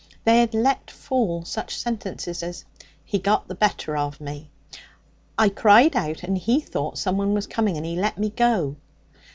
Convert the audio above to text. They had let fall such sentences as 'He got the better of me,' 'I cried out, and he thought someone was coming, and he let me go.'